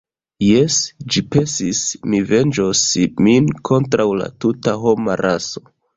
Jes, ĝi pensis, mi venĝos min kontraŭ la tuta homa raso!